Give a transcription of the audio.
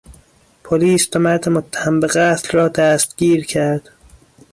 پلیس دو مرد متهم به قتل را دستگیر کرد.